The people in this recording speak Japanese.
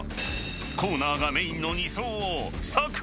［コーナーがメインの２走を佐久間］